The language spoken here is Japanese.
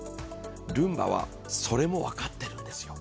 ルンバはそれも分かっているんですよ。